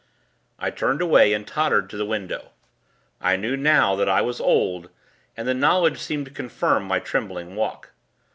I turned away, and tottered to the window. I knew, now, that I was old, and the knowledge seemed to confirm my trembling walk.